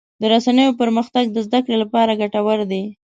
د رسنیو پرمختګ د زدهکړې لپاره ګټور دی.